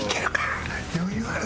余裕ある？